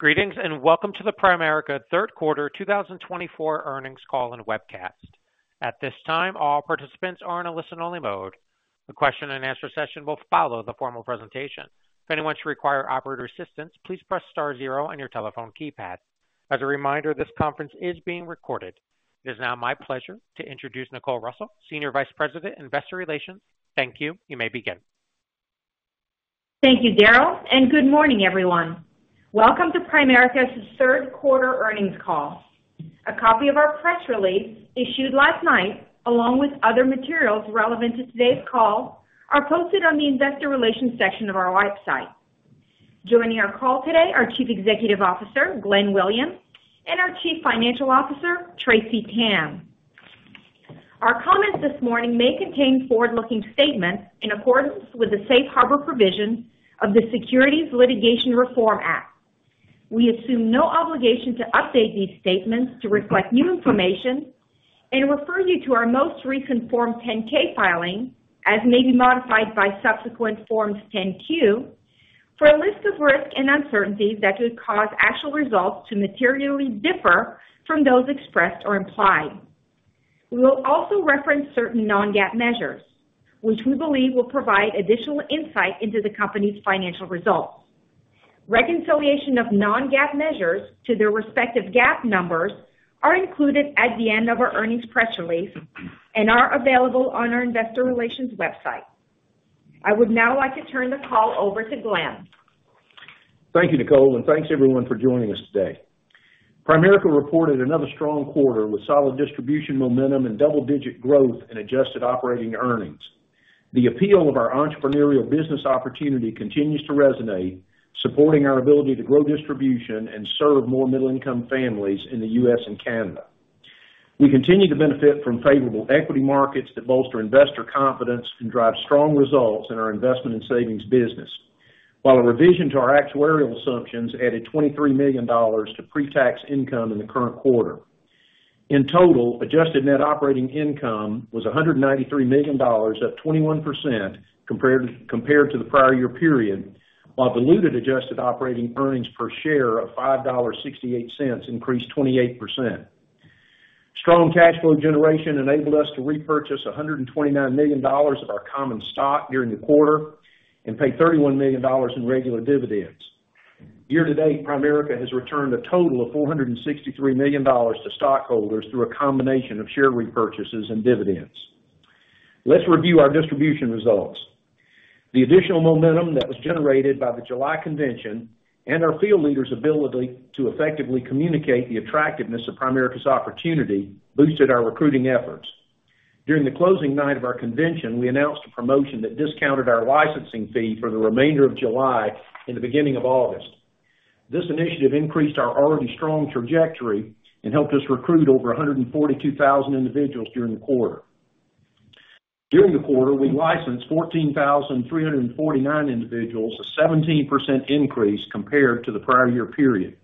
Greetings and welcome to the Primerica Third Quarter 2024 Earnings Call and Webcast. At this time, all participants are in a listen-only mode. The question-and-answer session will follow the formal presentation. If anyone should require operator assistance, please press star zero on your telephone keypad. As a reminder, this conference is being recorded. It is now my pleasure to introduce Nicole Russell, Senior Vice President, Investor Relations. Thank you. You may begin. Thank you, Daryl, and good morning, everyone. Welcome to Primerica's Third Quarter Earnings Call. A copy of our press release, issued last night, along with other materials relevant to today's call, are posted on the Investor Relations section of our website. Joining our call today are Chief Executive Officer, Glenn Williams, and our Chief Financial Officer, Tracy Tan. Our comments this morning may contain forward-looking statements in accordance with the Safe Harbor Provision of the Securities Litigation Reform Act. We assume no obligation to update these statements to reflect new information and refer you to our most recent Form 10-K filing, as may be modified by subsequent Forms 10-Q, for a list of risks and uncertainties that could cause actual results to materially differ from those expressed or implied. We will also reference certain non-GAAP measures, which we believe will provide additional insight into the company's financial results. Reconciliation of non-GAAP measures to their respective GAAP numbers are included at the end of our earnings press release and are available on our Investor Relations website. I would now like to turn the call over to Glenn. Thank you, Nicole, and thanks, everyone, for joining us today. Primerica reported another strong quarter with solid distribution momentum and double-digit growth in adjusted operating earnings. The appeal of our entrepreneurial business opportunity continues to resonate, supporting our ability to grow distribution and serve more middle-income families in the U.S. and Canada. We continue to benefit from favorable equity markets that bolster investor confidence and drive strong results in our investment and savings business, while a revision to our actuarial assumptions added $23 million to pre-tax income in the current quarter. In total, adjusted net operating income was $193 million, up 21% compared to the prior year period, while diluted adjusted operating earnings per share of $5.68 increased 28%. Strong cash flow generation enabled us to repurchase $129 million of our common stock during the quarter and pay $31 million in regular dividends. Year to date, Primerica has returned a total of $463 million to stockholders through a combination of share repurchases and dividends. Let's review our distribution results. The additional momentum that was generated by the July convention and our field leaders' ability to effectively communicate the attractiveness of Primerica's opportunity boosted our recruiting efforts. During the closing night of our convention, we announced a promotion that discounted our licensing fee for the remainder of July and the beginning of August. This initiative increased our already strong trajectory and helped us recruit over 142,000 individuals during the quarter. During the quarter, we licensed 14,349 individuals, a 17% increase compared to the prior year period.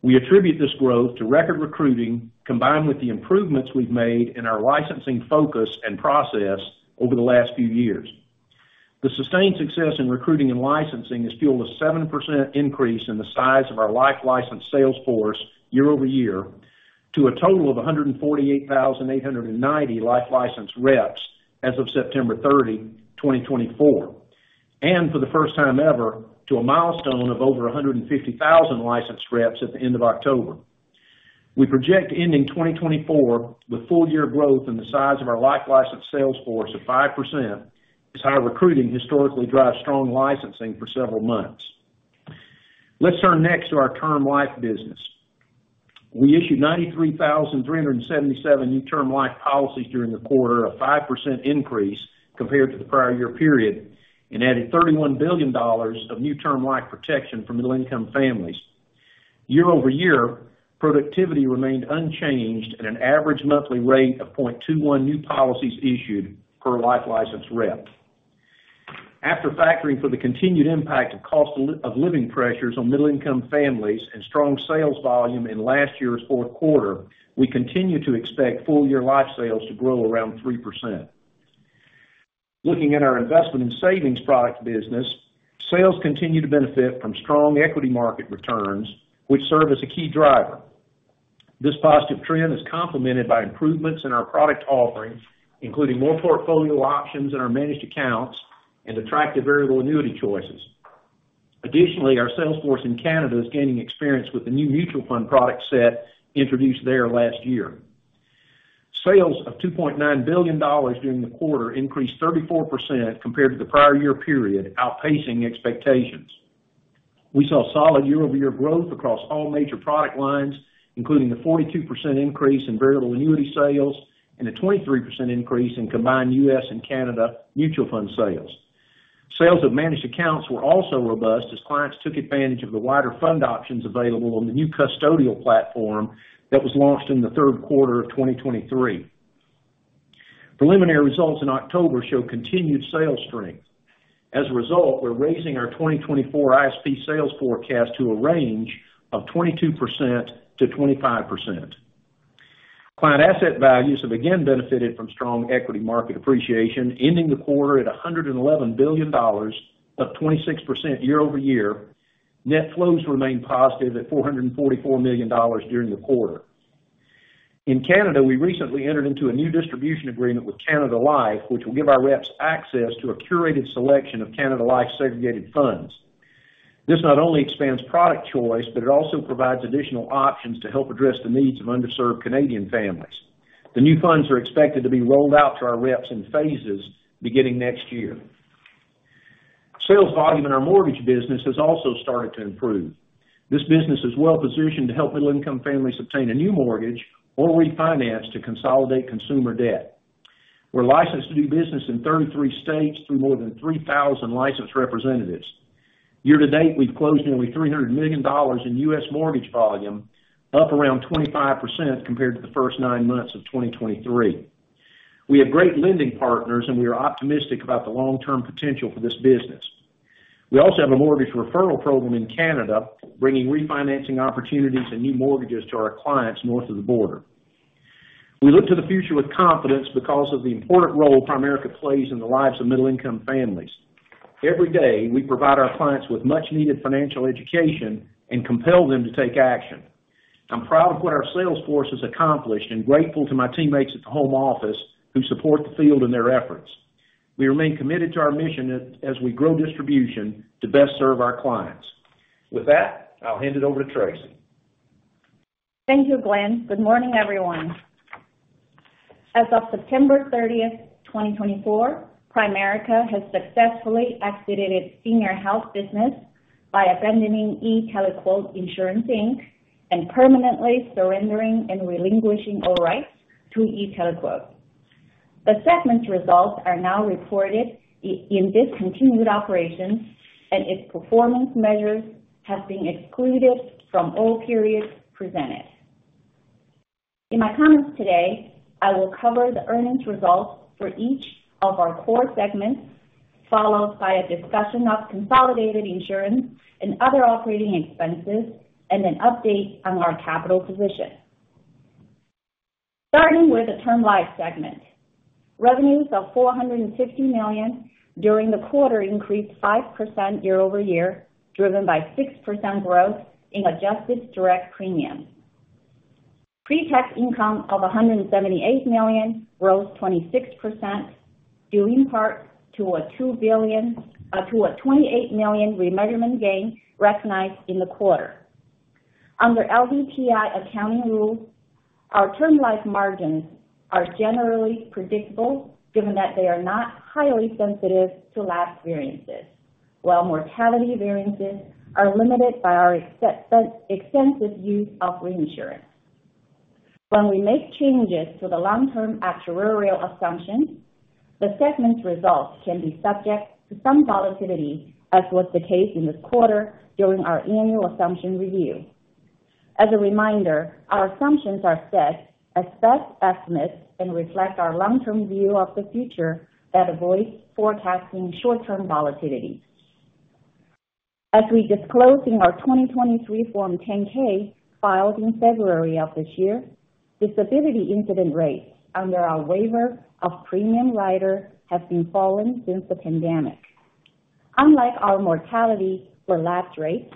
We attribute this growth to record recruiting combined with the improvements we've made in our licensing focus and process over the last few years. The sustained success in recruiting and licensing has fueled a 7% increase in the size of our life license sales force year over year to a total of 148,890 life license reps as of September 30, 2024, and for the first time ever to a milestone of over 150,000 licensed reps at the end of October. We project ending 2024 with full-year growth in the size of our life license sales force of 5%, as high recruiting historically drives strong licensing for several months. Let's turn next to our term life business. We issued 93,377 new term life policies during the quarter, a 5% increase compared to the prior year period, and added $31 billion of new term life protection for middle-income families. Year over year, productivity remained unchanged at an average monthly rate of 0.21 new policies issued per life license rep. After factoring for the continued impact of cost of living pressures on middle-income families and strong sales volume in last year's fourth quarter, we continue to expect full-year life sales to grow around 3%. Looking at our investment and savings product business, sales continue to benefit from strong equity market returns, which serve as a key driver. This positive trend is complemented by improvements in our product offering, including more portfolio options in our managed accounts and attractive variable annuity choices. Additionally, our sales force in Canada is gaining experience with the new mutual fund product set introduced there last year. Sales of $2.9 billion during the quarter increased 34% compared to the prior year period. We saw solid year-over-year growth across all major product lines, including a 42% increase in variable annuity sales and a 23% increase in combined U.S. and Canada mutual fund sales. Sales of managed accounts were also robust as clients took advantage of the wider fund options available on the new custodial platform that was launched in the third quarter of 2023. Preliminary results in October show continued sales strength. As a result, we're raising our 2024 ISP sales forecast to a range of 22%-25%. Client asset values have again benefited from strong equity market appreciation, ending the quarter at $111 billion, up 26% year over year. Net flows remain positive at $444 million during the quarter. In Canada, we recently entered into a new distribution agreement with Canada Life, which will give our reps access to a curated selection of Canada Life's segregated funds. This not only expands product choice, but it also provides additional options to help address the needs of underserved Canadian families. The new funds are expected to be rolled out to our reps in phases beginning next year. Sales volume in our mortgage business has also started to improve. This business is well-positioned to help middle-income families obtain a new mortgage or refinance to consolidate consumer debt. We're licensed to do business in 33 states through more than 3,000 licensed representatives. Year to date, we've closed nearly $300 million in U.S. mortgage volume, up around 25% compared to the first nine months of 2023. We have great lending partners, and we are optimistic about the long-term potential for this business. We also have a mortgage referral program in Canada, bringing refinancing opportunities and new mortgages to our clients north of the border. We look to the future with confidence because of the important role Primerica plays in the lives of middle-income families. Every day, we provide our clients with much-needed financial education and compel them to take action. I'm proud of what our sales force has accomplished and grateful to my teammates at the home office who support the field in their efforts. We remain committed to our mission as we grow distribution to best serve our clients. With that, I'll hand it over to Tracy. Thank you, Glenn. Good morning, everyone. As of September 30, 2024, Primerica has successfully exited its senior health business by abandoning e-TeleQuote Insurance, Inc. and permanently surrendering and relinquishing all rights to e-TeleQuote. The settlement results are now reported in discontinued operations, and its performance measures have been excluded from all periods presented. In my comments today, I will cover the earnings results for each of our core segments, followed by a discussion of consolidated insurance and other operating expenses, and an update on our capital position. Starting with the term life segment, revenues of $450 million during the quarter increased 5% year over year, driven by 6% growth in adjusted direct premiums. Pre-tax income of $178 million rose 26%, due in part to a $28 million remeasurement gain recognized in the quarter. Under LDTI accounting rules, our term life margins are generally predictable given that they are not highly sensitive to lapse variances, while mortality variances are limited by our extensive use of reinsurance. When we make changes to the long-term actuarial assumptions, the segment's results can be subject to some volatility, as was the case in this quarter during our annual assumption review. As a reminder, our assumptions are set as best estimates and reflect our long-term view of the future that avoids forecasting short-term volatility. As we disclose in our 2023 Form 10-K filed in February of this year, disability incident rates under our Waiver of Premium Rider have been falling since the pandemic. Unlike our mortality-per-lapse rates,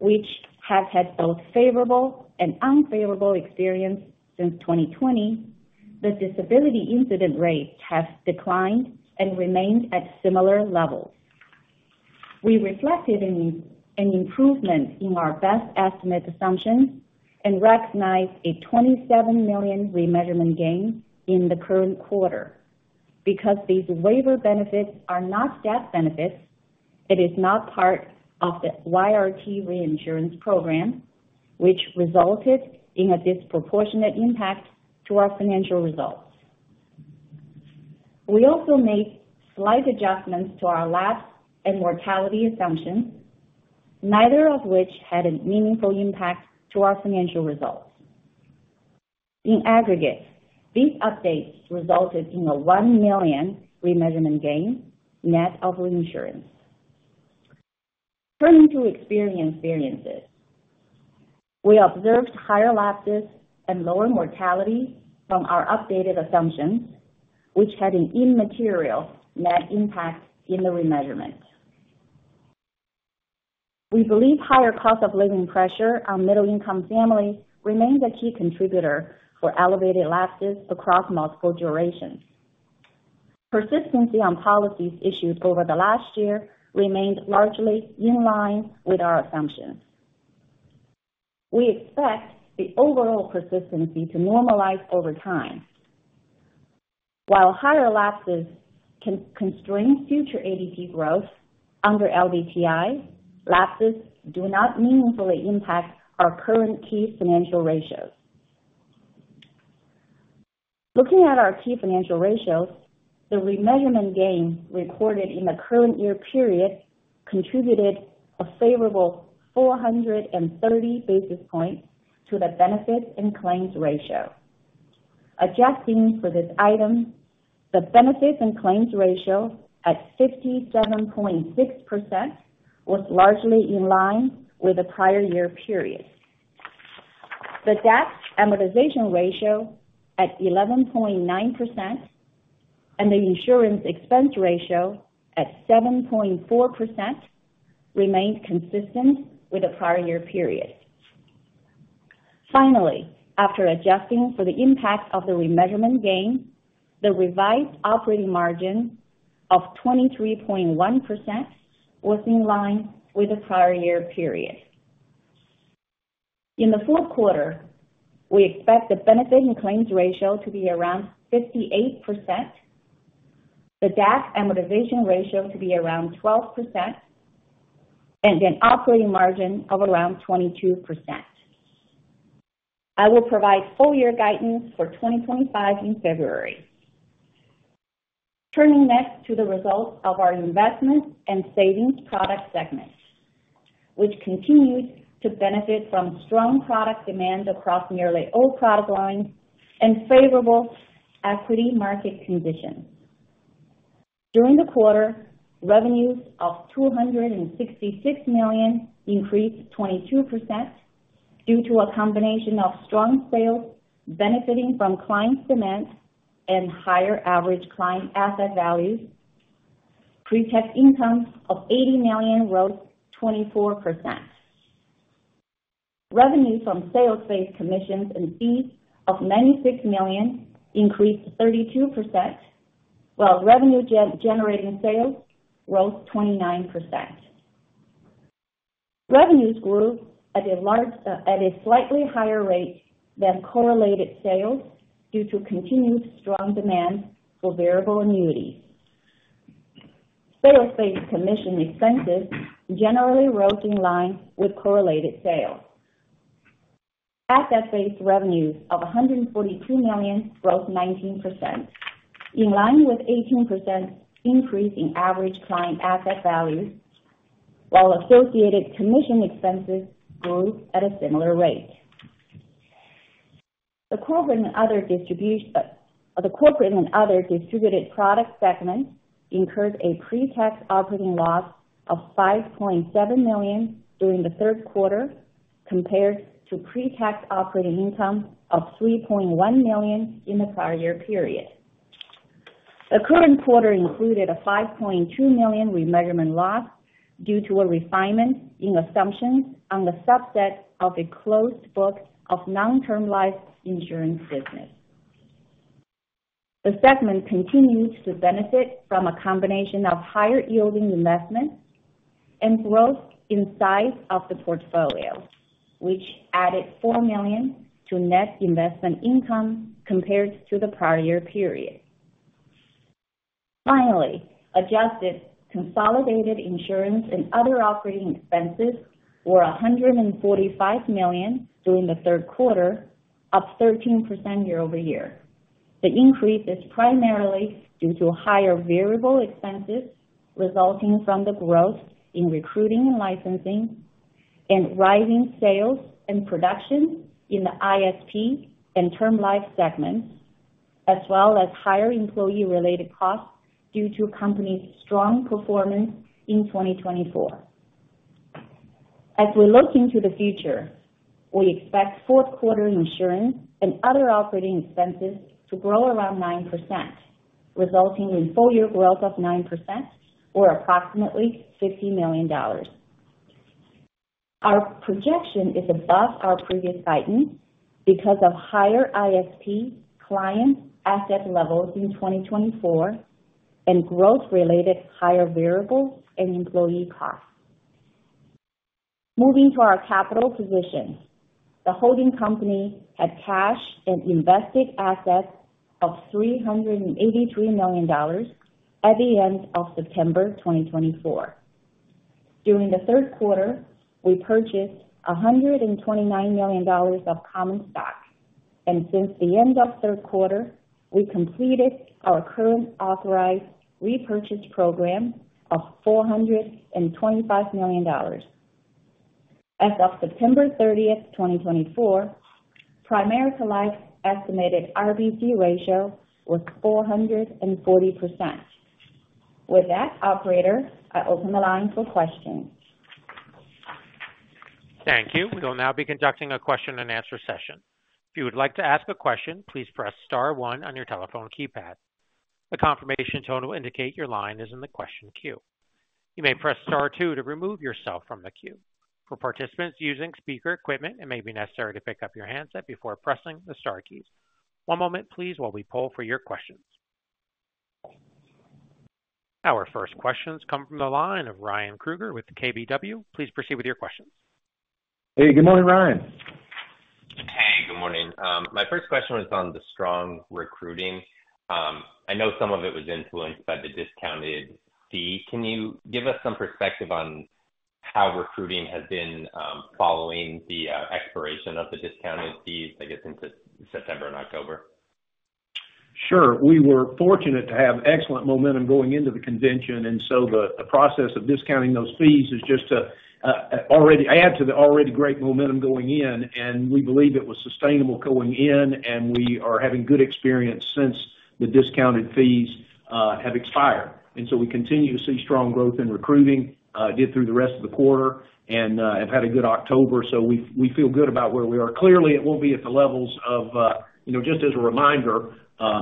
which have had both favorable and unfavorable experiences since 2020, the disability incident rates have declined and remained at similar levels. We reflected an improvement in our best estimate assumptions and recognized a $27 million remeasurement gain in the current quarter. Because these waiver benefits are not death benefits, it is not part of the YRT reinsurance program, which resulted in a disproportionate impact to our financial results. We also made slight adjustments to our lapse and mortality assumptions, neither of which had a meaningful impact to our financial results. In aggregate, these updates resulted in a $1 million remeasurement gain net of reinsurance. Turning to experience variances, we observed higher lapses and lower mortality from our updated assumptions, which had an immaterial net impact in the remeasurement. We believe higher cost of living pressure on middle-income families remains a key contributor for elevated lapses across multiple durations. Persistency on policies issued over the last year remained largely in line with our assumptions. We expect the overall persistency to normalize over time. While higher lapses can constrain future ADP growth under LDPI, lapses do not meaningfully impact our current key financial ratios. Looking at our key financial ratios, the remeasurement gain recorded in the current year period contributed a favorable 430 basis points to the benefits and claims ratio. Adjusting for this item, the benefits and claims ratio at 57.6% was largely in line with the prior year period. The debt amortization ratio at 11.9% and the insurance expense ratio at 7.4% remained consistent with the prior year period. Finally, after adjusting for the impact of the remeasurement gain, the revised operating margin of 23.1% was in line with the prior year period. In the fourth quarter, we expect the benefits and claims ratio to be around 58%, the debt amortization ratio to be around 12%, and an operating margin of around 22%. I will provide full-year guidance for 2025 in February. Turning next to the results of our investment and savings product segment, which continues to benefit from strong product demand across nearly all product lines and favorable equity market conditions. During the quarter, revenues of $266 million increased 22% due to a combination of strong sales benefiting from client demand and higher average client asset values. Pre-tax income of $80 million rose 24%. Revenue from sales-based commissions and fees of $96 million increased 32%, while revenue-generating sales rose 29%. Revenues grew at a slightly higher rate than correlated sales due to continued strong demand for variable annuities. Sales-based commission expenses generally rose in line with correlated sales. Asset-based revenues of $142 million rose 19%, in line with an 18% increase in average client asset values, while associated commission expenses grew at a similar rate. The corporate and other distributed product segment incurred a pre-tax operating loss of $5.7 million during the third quarter compared to pre-tax operating income of $3.1 million in the prior year period. The current quarter included a $5.2 million remeasurement loss due to a refinement in assumptions on the subset of a closed book of non-term life insurance business. The segment continues to benefit from a combination of higher-yielding investments and growth in size of the portfolio, which added $4 million to net investment income compared to the prior year period. Finally, adjusted consolidated insurance and other operating expenses were $145 million during the third quarter, up 13% year-over-year. The increase is primarily due to higher variable expenses resulting from the growth in recruiting and licensing and rising sales and production in the ISP and term life segments, as well as higher employee-related costs due to companies' strong performance in 2024. As we look into the future, we expect fourth-quarter insurance and other operating expenses to grow around 9%, resulting in full-year growth of 9%, or approximately $50 million. Our projection is above our previous guidance because of higher ISP client asset levels in 2024 and growth-related higher variables and employee costs. Moving to our capital position, the holding company had cash and invested assets of $383 million at the end of September 2024. During the third quarter, we purchased $129 million of common stock, and since the end of the third quarter, we completed our current authorized repurchase program of $425 million. As of September 30, 2024, Primerica Life's estimated RBC ratio was 440%. With that, Operator, I open the line for questions. Thank you. We will now be conducting a question-and-answer session. If you would like to ask a question, please press star 1 on your telephone keypad. The confirmation tone will indicate your line is in the question queue. You may press star 2 to remove yourself from the queue. For participants using speaker equipment, it may be necessary to pick up your handset before pressing the star keys. One moment, please, while we pull for your questions. Our first questions come from the line of Ryan Kruger with KBW. Please proceed with your questions. Hey, good morning, Ryan. Hey, good morning. My first question was on the strong recruiting. I know some of it was influenced by the discounted fee. Can you give us some perspective on how recruiting has been following the expiration of the discounted fees, I guess, into September and October? Sure. We were fortunate to have excellent momentum going into the convention, and so the process of discounting those fees is just to add to the already great momentum going in. And we believe it was sustainable going in, and we are having good experience since the discounted fees have expired. And so we continue to see strong growth in recruiting, did through the rest of the quarter, and have had a good October. So we feel good about where we are. Clearly, it won't be at the levels of just as a reminder,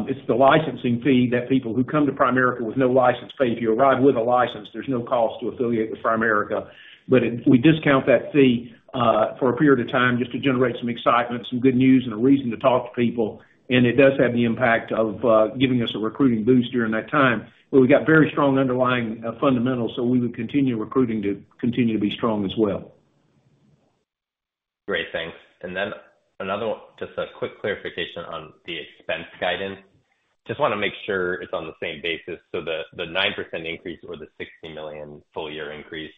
it's the licensing fee that people who come to Primerica with no license pay. If you arrive with a license, there's no cost to affiliate with Primerica. But we discount that fee for a period of time just to generate some excitement, some good news, and a reason to talk to people. And it does have the impact of giving us a recruiting boost during that time. But we've got very strong underlying fundamentals, so we would continue recruiting to continue to be strong as well. Great. Thanks. And then just a quick clarification on the expense guidance. Just want to make sure it's on the same basis. So the 9% increase or the $60 million full-year increase,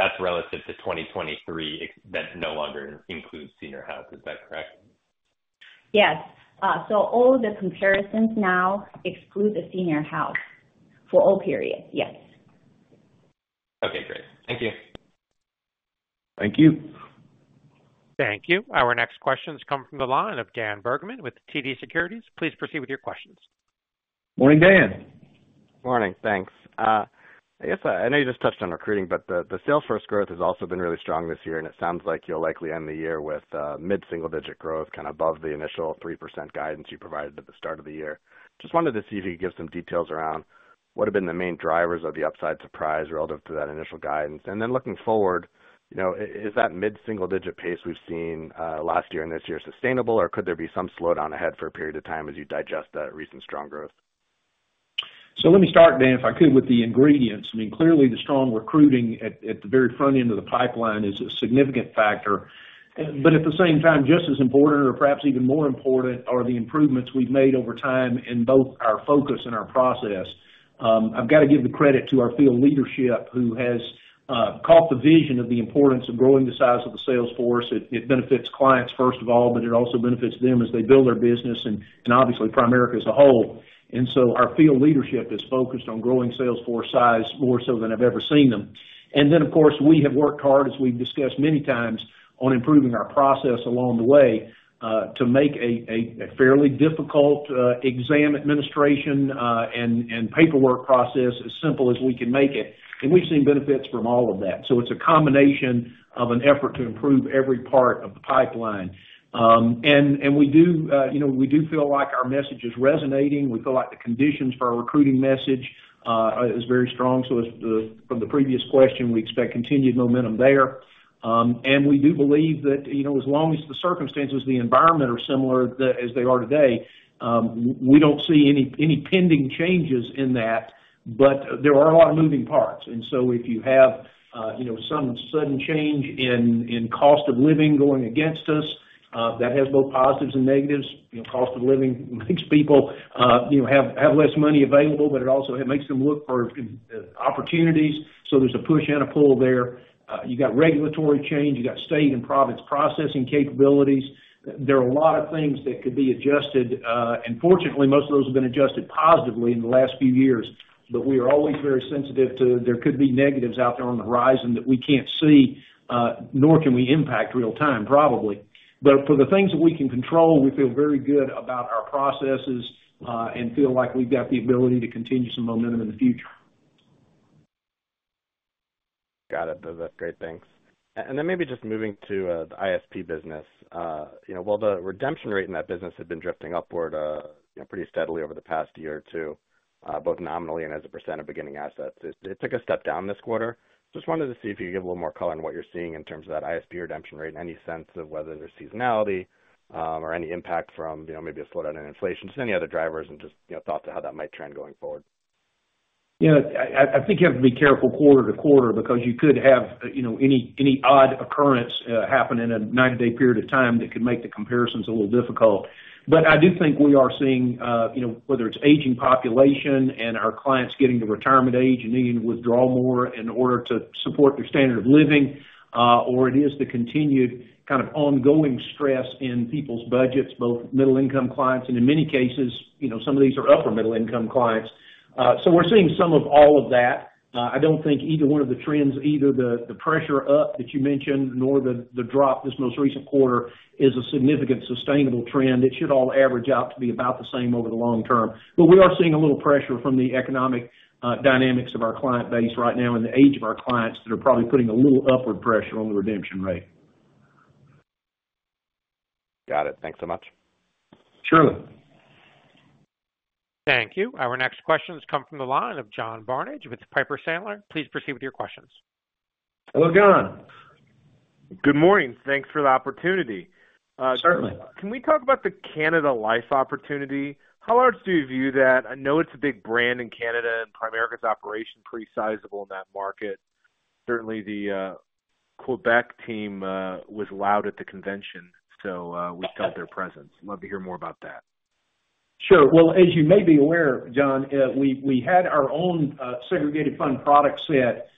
that's relative to 2023, that no longer includes senior health. Is that correct? Yes. So all the comparisons now exclude the senior health for all periods. Yes. Okay. Great. Thank you. Thank you. Thank you. Our next questions come from the line of Dan Bergman with TD Securities. Please proceed with your questions. Morning, Dan. Morning. Thanks. I know you just touched on recruiting, but the sales force growth has also been really strong this year, and it sounds like you'll likely end the year with mid-single-digit growth kind of above the initial 3% guidance you provided at the start of the year. Just wanted to see if you could give some details around what have been the main drivers of the upside surprise relative to that initial guidance? And then looking forward, is that mid-single-digit pace we've seen last year and this year sustainable, or could there be some slowdown ahead for a period of time as you digest that recent strong growth? So let me start, Dan, if I could, with the ingredients. I mean, clearly, the strong recruiting at the very front end of the pipeline is a significant factor. But at the same time, just as important, or perhaps even more important, are the improvements we've made over time in both our focus and our process. I've got to give the credit to our field leadership who has caught the vision of the importance of growing the size of the sales force. It benefits clients, first of all, but it also benefits them as they build their business and obviously Primerica as a whole. And so our field leadership is focused on growing sales force size more so than I've ever seen them. And then, of course, we have worked hard, as we've discussed many times, on improving our process along the way to make a fairly difficult exam administration and paperwork process as simple as we can make it. And we've seen benefits from all of that. So it's a combination of an effort to improve every part of the pipeline. And we do feel like our message is resonating. We feel like the conditions for our recruiting message are very strong. So from the previous question, we expect continued momentum there. And we do believe that as long as the circumstances, the environment are similar as they are today, we don't see any pending changes in that. But there are a lot of moving parts. And so if you have some sudden change in cost of living going against us, that has both positives and negatives. Cost of living makes people have less money available, but it also makes them look for opportunities. So there's a push and a pull there. You've got regulatory change. You've got state and province processing capabilities. There are a lot of things that could be adjusted. And fortunately, most of those have been adjusted positively in the last few years. But we are always very sensitive to there could be negatives out there on the horizon that we can't see, nor can we impact real-time, probably. But for the things that we can control, we feel very good about our processes and feel like we've got the ability to continue some momentum in the future. Got it. That's great. Thanks. And then maybe just moving to the ISP business. Well, the redemption rate in that business has been drifting upward pretty steadily over the past year or two, both nominally and as a % of beginning assets. It took a step down this quarter. Just wanted to see if you could give a little more color on what you're seeing in terms of that ISP redemption rate, any sense of whether there's seasonality or any impact from maybe a slowdown in inflation, just any other drivers, and just thoughts of how that might trend going forward. Yeah. I think you have to be careful quarter to quarter because you could have any odd occurrence happen in a 90-day period of time that could make the comparisons a little difficult. But I do think we are seeing whether it's aging population and our clients getting to retirement age and needing to withdraw more in order to support their standard of living, or it is the continued kind of ongoing stress in people's budgets, both middle-income clients and, in many cases, some of these are upper-middle-income clients. So we're seeing some of all of that. I don't think either one of the trends, either the pressure up that you mentioned nor the drop this most recent quarter, is a significant sustainable trend. It should all average out to be about the same over the long term. But we are seeing a little pressure from the economic dynamics of our client base right now and the age of our clients that are probably putting a little upward pressure on the redemption rate. Got it. Thanks so much. Sure. Thank you. Our next questions come from the line of John Barnidge with Piper Sandler. Please proceed with your questions. Hello, John. Good morning. Thanks for the opportunity. Certainly. Can we talk about the Canada Life opportunity? How large do you view that? I know it's a big brand in Canada, and Primerica's operation is pretty sizable in that market. Certainly, the Quebec team was loud at the convention, so we felt their presence. Love to hear more about that. Sure. Well, as you may be aware, John, we had our own segregated fund product set,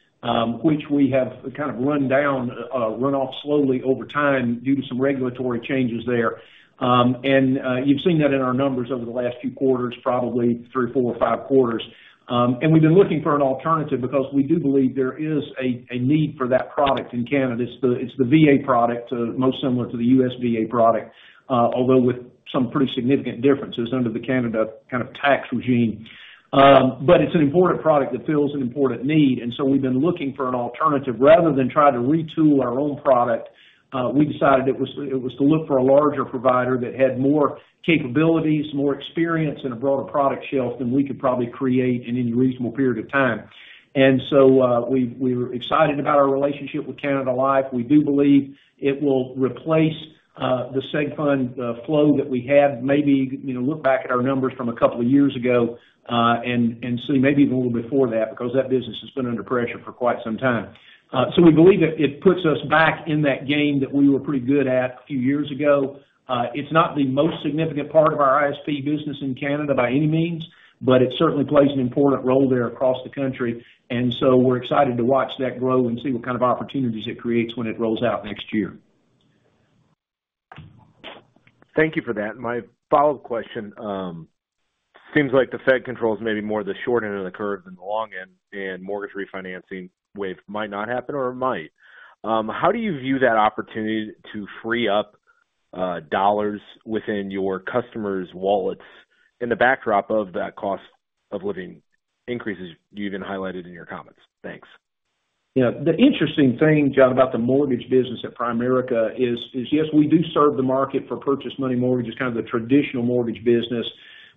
which we have kind of run down, run off slowly over time due to some regulatory changes there. And you've seen that in our numbers over the last few quarters, probably three, four, or five quarters. And we've been looking for an alternative because we do believe there is a need for that product in Canada. It's the VA product, most similar to the U.S. VA product, although with some pretty significant differences under the Canada kind of tax regime. But it's an important product that fills an important need. And so we've been looking for an alternative. Rather than try to retool our own product, we decided it was to look for a larger provider that had more capabilities, more experience, and a broader product shelf than we could probably create in any reasonable period of time, and so we're excited about our relationship with Canada Life. We do believe it will replace the seg fund flow that we had, maybe look back at our numbers from a couple of years ago and see maybe even a little before that because that business has been under pressure for quite some time, so we believe it puts us back in that game that we were pretty good at a few years ago. It's not the most significant part of our ISP business in Canada by any means, but it certainly plays an important role there across the country. And so we're excited to watch that grow and see what kind of opportunities it creates when it rolls out next year. Thank you for that. My follow-up question seems like the Fed control is maybe more the short end of the curve than the long end, and mortgage refinancing wave might not happen or it might. How do you view that opportunity to free up dollars within your customers' wallets in the backdrop of that cost of living increases you even highlighted in your comments? Thanks. Yeah. The interesting thing, John, about the mortgage business at Primerica is, yes, we do serve the market for purchase-money mortgages, kind of the traditional mortgage business.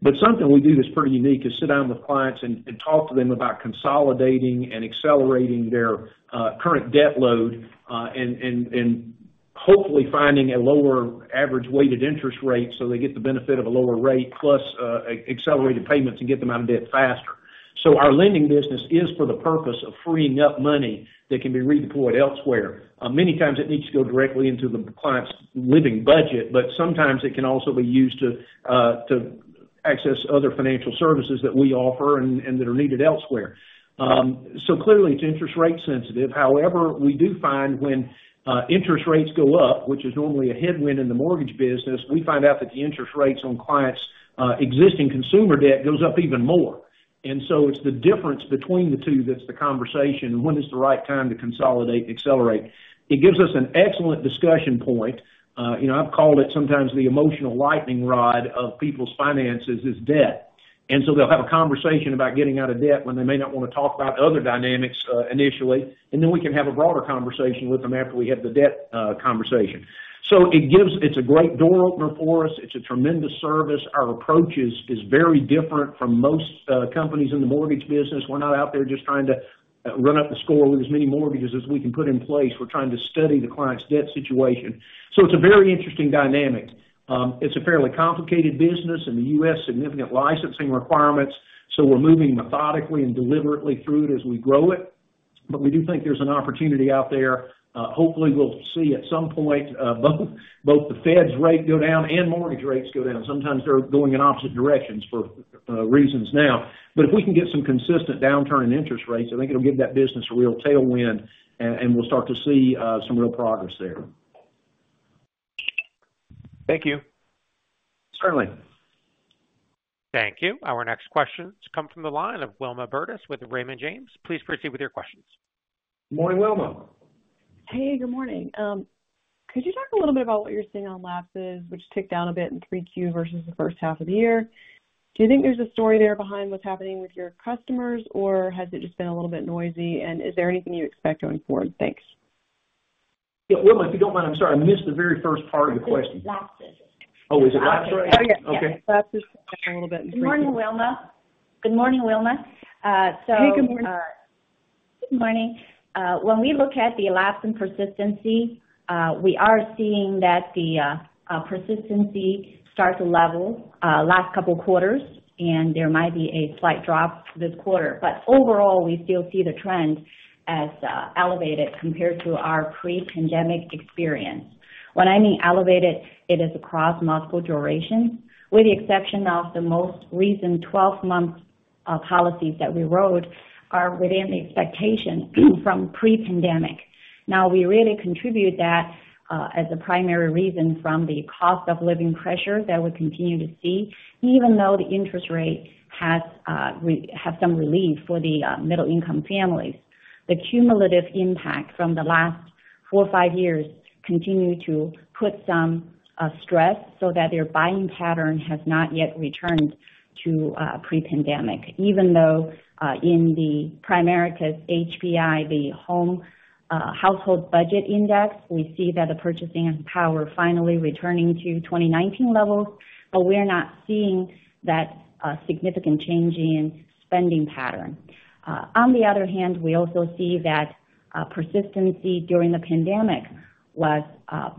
But something we do that's pretty unique is sit down with clients and talk to them about consolidating and accelerating their current debt load and hopefully finding a lower average weighted interest rate so they get the benefit of a lower rate plus accelerated payments and get them out of debt faster. So our lending business is for the purpose of freeing up money that can be redeployed elsewhere. Many times, it needs to go directly into the client's living budget, but sometimes it can also be used to access other financial services that we offer and that are needed elsewhere. So clearly, it's interest rate sensitive. However, we do find when interest rates go up, which is normally a headwind in the mortgage business, we find out that the interest rates on clients' existing consumer debt go up even more, and so it's the difference between the two that's the conversation. When is the right time to consolidate, accelerate? It gives us an excellent discussion point. I've called it sometimes the emotional lightning rod of people's finances is debt, and so they'll have a conversation about getting out of debt when they may not want to talk about other dynamics initially, and then we can have a broader conversation with them after we have the debt conversation, so it's a great door opener for us. It's a tremendous service. Our approach is very different from most companies in the mortgage business. We're not out there just trying to run up the score with as many mortgages as we can put in place. We're trying to study the client's debt situation. So it's a very interesting dynamic. It's a fairly complicated business in the U.S., significant licensing requirements. So we're moving methodically and deliberately through it as we grow it. But we do think there's an opportunity out there. Hopefully, we'll see at some point both the Fed's rate go down and mortgage rates go down. Sometimes they're going in opposite directions for reasons now. But if we can get some consistent downturn in interest rates, I think it'll give that business a real tailwind, and we'll start to see some real progress there. Thank you. Certainly. Thank you. Our next questions come from the line of Wilma Burdis with Raymond James. Please proceed with your questions. Good morning, Wilma. Hey, good morning. Could you talk a little bit about what you're seeing on lapses, which ticked down a bit in 3Q versus the first half of the year? Do you think there's a story there behind what's happening with your customers, or has it just been a little bit noisy, and is there anything you expect going forward? Thanks. Yeah. Wilma, if you don't mind, I'm sorry. I missed the very first part of your question. Lapses. Oh, is it lapses? Oh, yeah. Lapses a little bit in 3Q. Good morning, Wilma. Good morning, Wilma. So. Hey, good morning. Good morning. When we look at the lapse in persistency, we are seeing that the persistency starts to level last couple of quarters, and there might be a slight drop this quarter. But overall, we still see the trend as elevated compared to our pre-pandemic experience. When I mean elevated, it is across multiple durations, with the exception of the most recent 12-month policies that we wrote are within the expectation from pre-pandemic. Now, we really contribute that as a primary reason from the cost of living pressure that we continue to see, even though the interest rate has some relief for the middle-income families. The cumulative impact from the last four or five years continues to put some stress so that their buying pattern has not yet returned to pre-pandemic. Even though in Primerica's HBI, the Household Budget Index, we see that the purchasing power is finally returning to 2019 levels, but we are not seeing that significant change in spending pattern. On the other hand, we also see that persistency during the pandemic was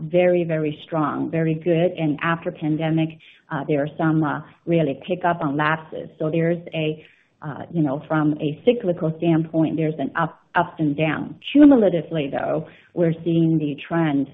very, very strong, very good, and after pandemic, there is some really pickup on lapses. So there is a, from a cyclical standpoint, there's an ups and downs. Cumulatively, though, we're seeing the trend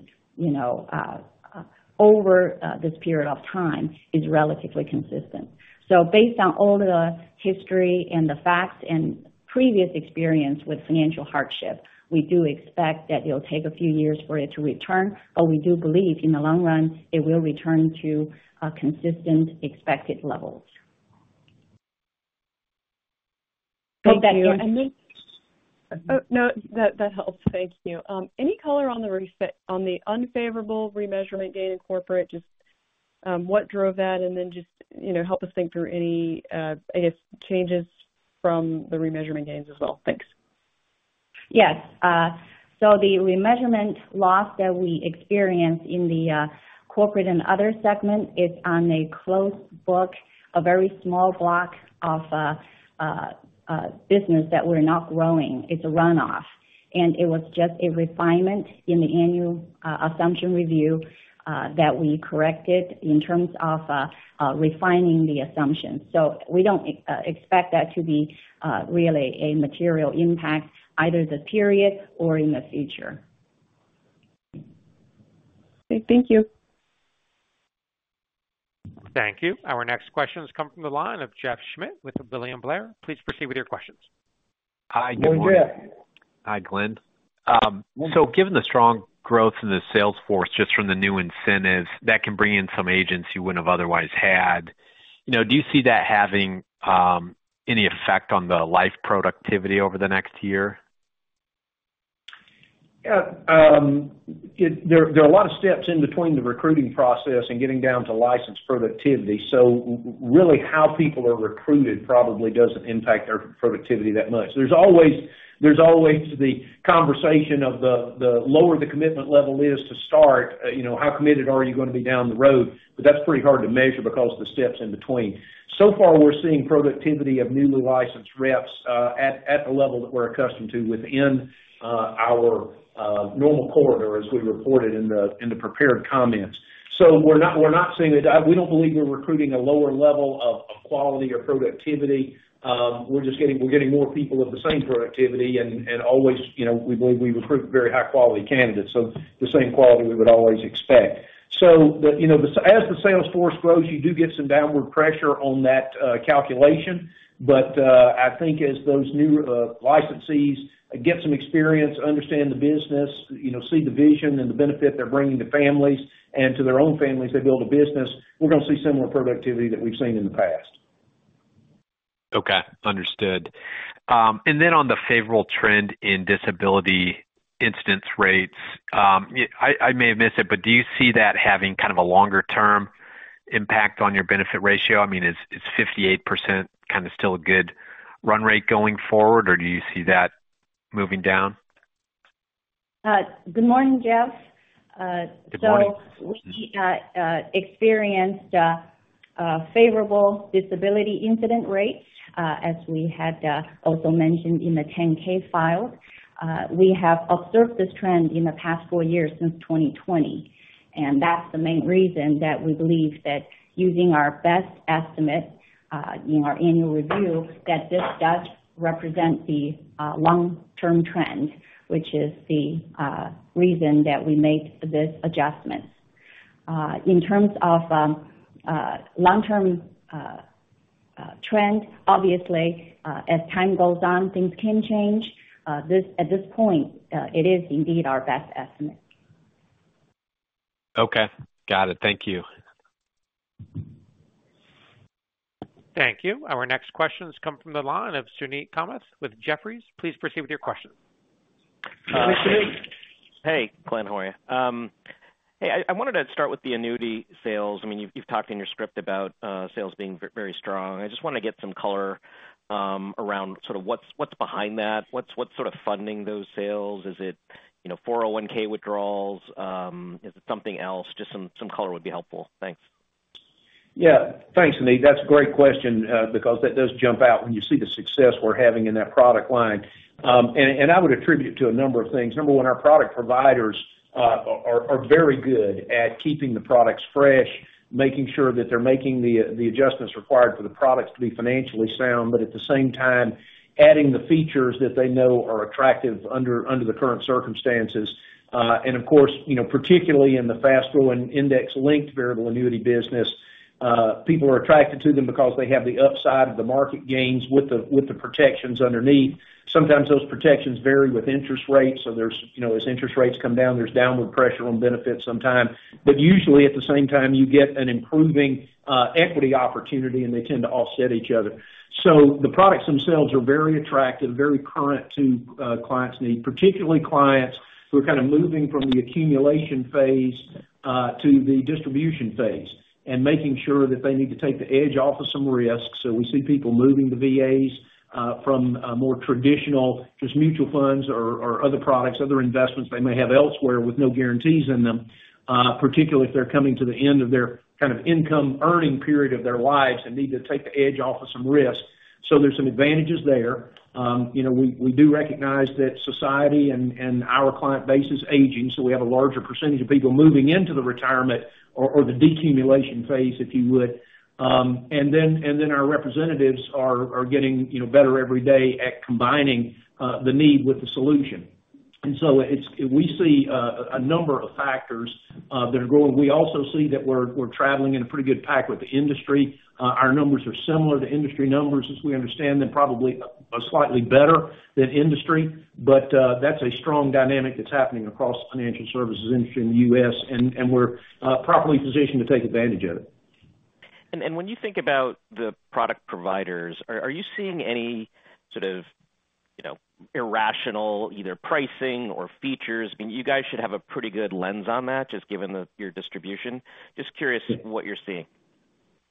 over this period of time is relatively consistent, so based on all the history and the facts and previous experience with financial hardship, we do expect that it'll take a few years for it to return. But we do believe in the long run, it will return to consistent expected levels. Thank you. No, that helps. Thank you. Any color on the unfavorable remeasurement gain in corporate? Just what drove that? And then just help us think through any, I guess, changes from the remeasurement gains as well. Thanks. Yes, so the remeasurement loss that we experienced in the corporate and other segment is on a closed book, a very small block of business that we're not growing. It's a runoff, and it was just a refinement in the annual assumption review that we corrected in terms of refining the assumptions, so we don't expect that to be really a material impact, either the period or in the future. Okay. Thank you. Thank you. Our next questions come from the line of Jeff Schmitt with William Blair. Please proceed with your questions. Hi, Jeff. Hi, Glenn. So given the strong growth in the sales force just from the new incentives that can bring in some agents you wouldn't have otherwise had, do you see that having any effect on the life productivity over the next year? Yeah. There are a lot of steps in between the recruiting process and getting down to license productivity. So really, how people are recruited probably doesn't impact their productivity that much. There's always the conversation of the lower the commitment level is to start, how committed are you going to be down the road? But that's pretty hard to measure because of the steps in between. So far, we're seeing productivity of newly licensed reps at the level that we're accustomed to within our normal quarter, as we reported in the prepared comments. So we're not seeing it. We don't believe we're recruiting a lower level of quality or productivity. We're getting more people of the same productivity. And always, we believe we recruit very high-quality candidates, so the same quality we would always expect. So as the sales force grows, you do get some downward pressure on that calculation. But I think as those new licensees get some experience, understand the business, see the vision and the benefit they're bringing to families and to their own families they build a business, we're going to see similar productivity that we've seen in the past. Okay. Understood. And then on the favorable trend in disability incidence rates, I may have missed it, but do you see that having kind of a longer-term impact on your benefit ratio? I mean, is 58% kind of still a good run rate going forward, or do you see that moving down? Good morning, Jeff. Good morning. We experienced favorable disability incident rates, as we had also mentioned in the 10-K filing. We have observed this trend in the past four years since 2020. That's the main reason that we believe that using our best estimate in our annual review, that this does represent the long-term trend, which is the reason that we made this adjustment. In terms of long-term trend, obviously, as time goes on, things can change. At this point, it is indeed our best estimate. Okay. Got it. Thank you. Thank you. Our next questions come from the line of Suneet Kamath with Jefferies. Please proceed with your questions. Hi, Suneet. Hey, Glenn, how are you? Hey, I wanted to start with the annuity sales. I mean, you've talked in your script about sales being very strong. I just want to get some color around sort of what's behind that. What's sort of funding those sales? Is it 401(k) withdrawals? Is it something else? Just some color would be helpful. Thanks. Yeah. Thanks, Suneet. That's a great question because that does jump out when you see the success we're having in that product line. And I would attribute it to a number of things. Number one, our product providers are very good at keeping the products fresh, making sure that they're making the adjustments required for the products to be financially sound, but at the same time, adding the features that they know are attractive under the current circumstances. And of course, particularly in the fast-growing Index-Linked Variable Annuity business, people are attracted to them because they have the upside of the market gains with the protections underneath. Sometimes those protections vary with interest rates. So as interest rates come down, there's downward pressure on benefits sometimes. But usually, at the same time, you get an improving equity opportunity, and they tend to offset each other. So the products themselves are very attractive, very current to clients' needs, particularly clients who are kind of moving from the accumulation phase to the distribution phase and making sure that they need to take the edge off of some risks. So we see people moving the VAs from more traditional just mutual funds or other products, other investments they may have elsewhere with no guarantees in them, particularly if they're coming to the end of their kind of income earning period of their lives and need to take the edge off of some risk. So there's some advantages there. We do recognize that society and our client base is aging, so we have a larger percentage of people moving into the retirement or the decumulation phase, if you would. And then our representatives are getting better every day at combining the need with the solution. And so we see a number of factors that are growing. We also see that we're traveling in a pretty good pack with the industry. Our numbers are similar to industry numbers, as we understand, and probably slightly better than industry. But that's a strong dynamic that's happening across the financial services industry in the U.S., and we're properly positioned to take advantage of it. When you think about the product providers, are you seeing any sort of irrational either pricing or features? I mean, you guys should have a pretty good lens on that, just given your distribution. Just curious what you're seeing.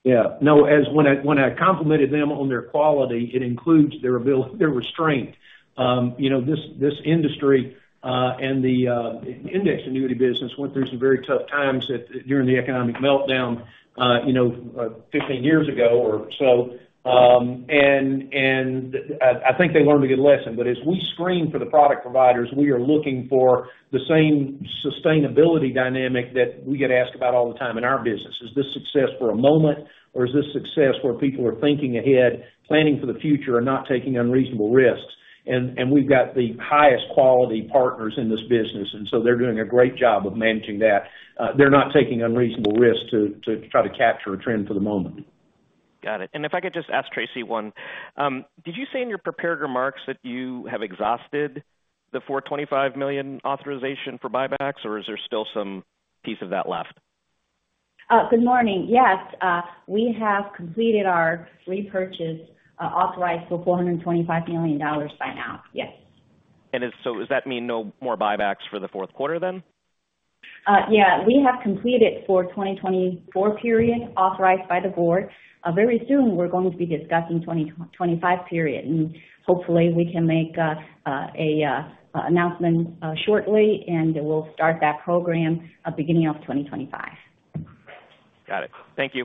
Yeah. No, when I complimented them on their quality, it includes their restraint. This industry and the index annuity business went through some very tough times during the economic meltdown 15 years ago or so. And I think they learned a good lesson. But as we screen for the product providers, we are looking for the same sustainability dynamic that we get asked about all the time in our business. Is this success for a moment, or is this success where people are thinking ahead, planning for the future, and not taking unreasonable risks? And we've got the highest quality partners in this business, and so they're doing a great job of managing that. They're not taking unreasonable risks to try to capture a trend for the moment. Got it. And if I could just ask Tracy one, did you say in your prepared remarks that you have exhausted the $425 million authorization for buybacks, or is there still some piece of that left? Good morning. Yes. We have completed our repurchase authorized for $425 million by now. Yes. And so does that mean no more buybacks for the fourth quarter then? Yeah. We have completed for 2024 period authorized by the board. Very soon, we're going to be discussing 2025 period, and hopefully, we can make an announcement shortly, and we'll start that program beginning of 2025. Got it. Thank you.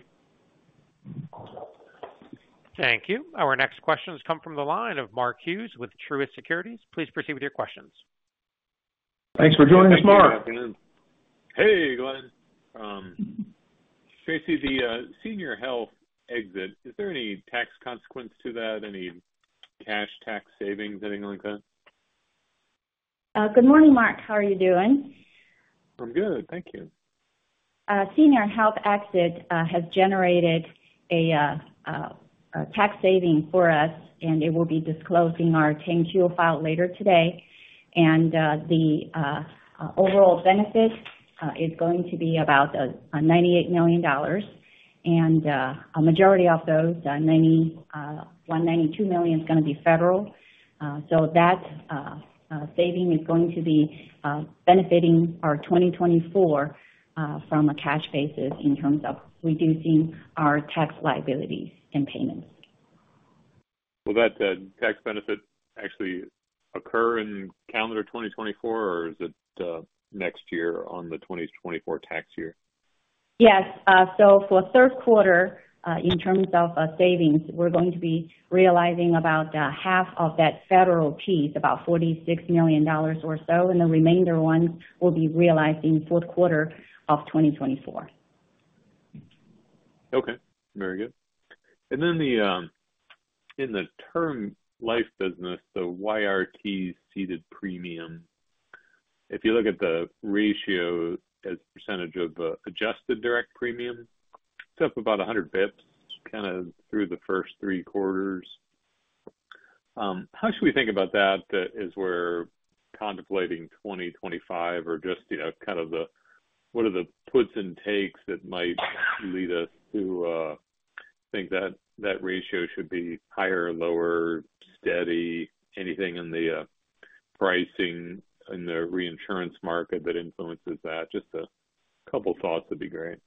Thank you. Our next questions come from the line of Mark Hughes with Truist Securities. Please proceed with your questions. Thanks for joining us, Mark. Good afternoon. Hey, Glenn. Tracy, the senior health exit, is there any tax consequence to that? Any cash tax savings, anything like that? Good morning, Mark. How are you doing? I'm good. Thank you. Senior health exit has generated a tax saving for us, and it will be disclosed in our 10-Q file later today. And the overall benefit is going to be about $98 million. And a majority of those, $192 million, is going to be federal. So that saving is going to be benefiting our 2024 from a cash basis in terms of reducing our tax liabilities and payments. Will that tax benefit actually occur in calendar 2024, or is it next year on the 2024 tax year? Yes. So for third quarter, in terms of savings, we're going to be realizing about half of that federal piece, about $46 million or so. And the remainder ones will be realized in fourth quarter of 2024. Okay. Very good. And then in the term life business, the YRT seeded premium, if you look at the ratio as percentage of adjusted direct premium, it's up about 100 basis points kind of through the first three quarters. How should we think about that as we're contemplating 2025 or just kind of what are the puts and takes that might lead us to think that ratio should be higher, lower, steady? Anything in the pricing and the reinsurance market that influences that? Just a couple of thoughts would be great.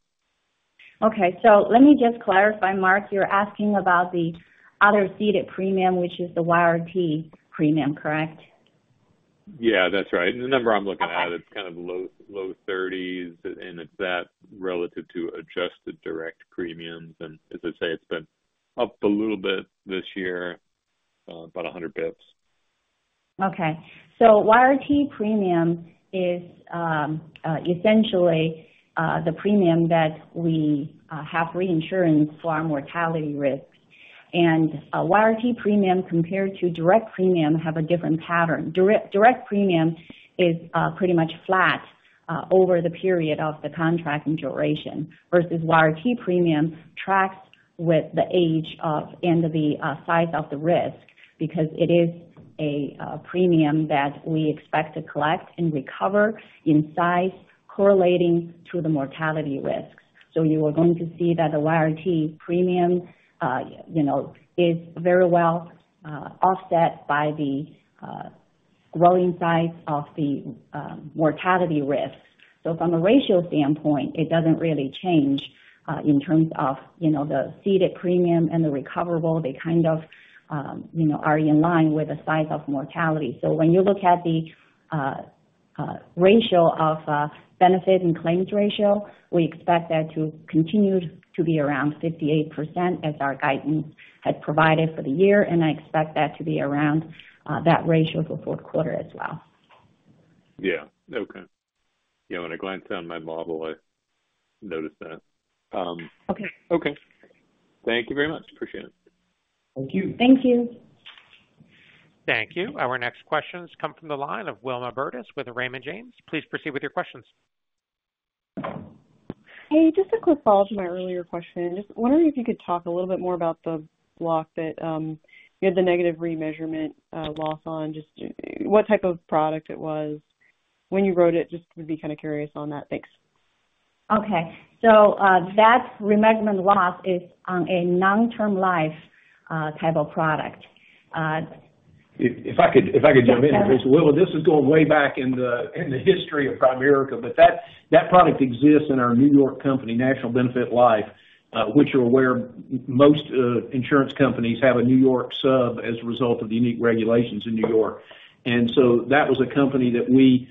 Okay. Let me just clarify, Mark. You're asking about the other seeded premium, which is the YRT premium, correct? Yeah, that's right. And the number I'm looking at, it's kind of low 30s, and it's that relative to adjusted direct premiums. And as I say, it's been up a little bit this year, about 100 basis points. Okay, so YRT premium is essentially the premium that we have reinsurance for our mortality risk, and YRT premium compared to direct premium have a different pattern. Direct premium is pretty much flat over the period of the contracting duration versus YRT premium tracks with the age of and the size of the risk because it is a premium that we expect to collect and recover in size correlating to the mortality risks. You are going to see that the YRT premium is very well offset by the growing size of the mortality risk, so from a ratio standpoint, it doesn't really change in terms of the ceded premium and the recoverable. They kind of are in line with the size of mortality. So when you look at the ratio of benefits and claims ratio, we expect that to continue to be around 58% as our guidance has provided for the year. And I expect that to be around that ratio for fourth quarter as well. Yeah. Okay. Yeah. When I glanced down my model, I noticed that. Okay. Okay. Thank you very much. Appreciate it. Thank you. Thank you. Thank you. Our next questions come from the line of Wilma Burdis with Raymond James. Please proceed with your questions. Hey, just a quick follow-up to my earlier question. Just wondering if you could talk a little bit more about the block that you had the negative remeasurement loss on, just what type of product it was when you wrote it? Just would be kind of curious on that. Thanks. Okay, so that remeasurement loss is on a long-term life type of product. If I could jump in, Tracy, this is going way back in the history of Primerica, but that product exists in our New York company, National Benefit Life, which you're aware, most insurance companies have a New York sub as a result of the unique regulations in New York. And so that was a company that we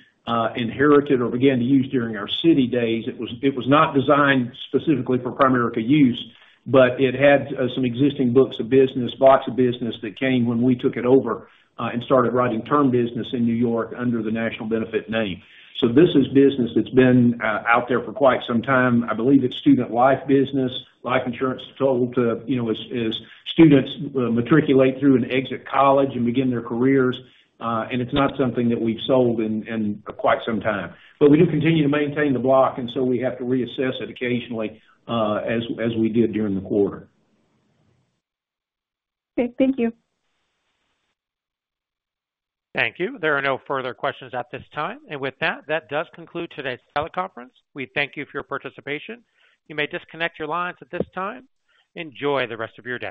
inherited or began to use during our Citi days. It was not designed specifically for Primerica use, but it had some existing books of business, blocks of business that came when we took it over and started writing term business in New York under the National Benefit name. So this is business that's been out there for quite some time. I believe it's student life business, life insurance sold to as students matriculate through and exit college and begin their careers. It's not something that we've sold in quite some time. We do continue to maintain the block, and so we have to reassess it occasionally as we did during the quarter. Okay. Thank you. Thank you. There are no further questions at this time. With that, that does conclude today's teleconference. We thank you for your participation. You may disconnect your lines at this time. Enjoy the rest of your day.